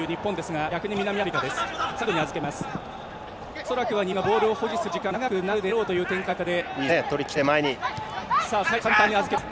恐らくは日本がボールを保持する時間が長くなるであろうという展開の中で。